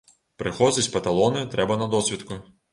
Прыходзіць па талоны трэба на досвітку.